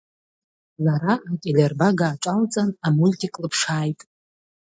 Лара ателербага аҿалҵан, амультик лԥшааит.